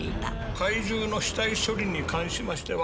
怪獣の死体処理に関しましては。